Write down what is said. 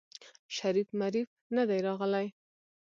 شريف مريف ندی راغلی.